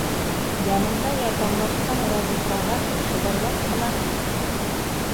Янында ярҙамлашҡан Разифаға шыбырлап ҡына: